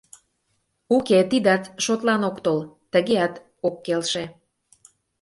Уке, тидат шотлан ок тол, тыгеат ок келше...